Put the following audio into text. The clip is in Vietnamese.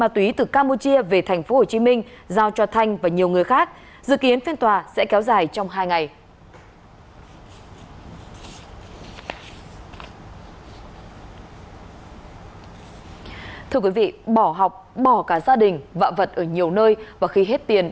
thưa quý vị bỏ học bỏ cả gia đình vợ vật ở nhiều nơi và khi hết tiền